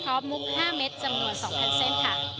พร้อมมุก๕เมตรจำนวน๒๐๐๐เส้น